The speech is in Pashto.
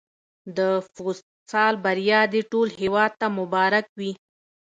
د فوتسال بریا دې ټول هېواد ته مبارک وي.